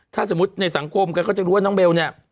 ถ้าสมมุติในสังคมแกก็จะรู้ว่าน้องเบลเนี่ย